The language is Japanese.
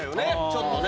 ちょっとね